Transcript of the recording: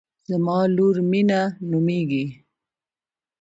زما لور مینه نومیږي